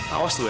awas dulu ya